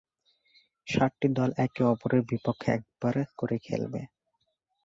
সাতটি দল একে-অপরের বিপক্ষে একবার করে খেলবে।